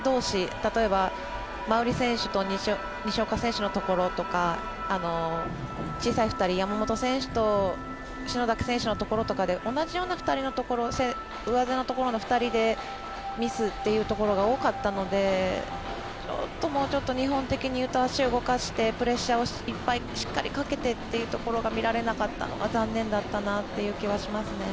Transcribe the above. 例えば、馬瓜選手と西岡選手のところとか小さい２人、山本選手と篠崎選手のところとか同じような上背のところの２人でミスっていうのが多かったのでちょっと、もうちょっと日本的にいうと足を動かしてプレッシャーをしっかりかけてというのが見られなかったのが残念だったなという気がします。